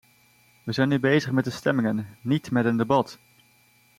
We zijn nu bezig met de stemmingen, niet met een debat!